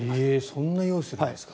そんな用意をするんですか。